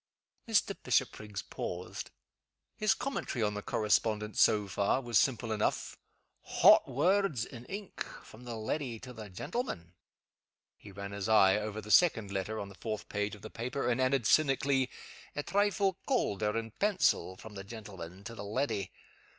Mr. Bishopriggs paused. His commentary on the correspondence, so far, was simple enough. "Hot words (in ink) from the leddy to the gentleman!" He ran his eye over the second letter, on the fourth page of the paper, and added, cynically, "A trifle caulder (in pencil) from the gentleman to the leddy!